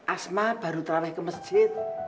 asma baru terawih ke masjid